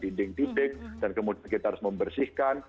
dinding dinding dan kemudian kita harus membersihkan